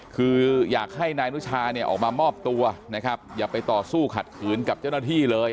คืออยากให้นายอนุชาเนี่ยออกมามอบตัวนะครับอย่าไปต่อสู้ขัดขืนกับเจ้าหน้าที่เลย